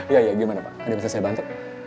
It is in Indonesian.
ya ya gimana pak ada yang bisa saya bantu